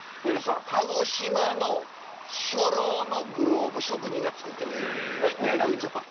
鹿児島の初老のグローブ職人が作ってるんですよメイド・イン・ジャパン。